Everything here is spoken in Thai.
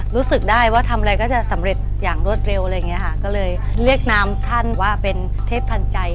รู้สึกได้ว่าทำอะไรก็จะสำเร็จอย่างรวดเร็วอะไรอย่างเงี้ค่ะก็เลยเรียกนามท่านว่าเป็นเทพทันใจ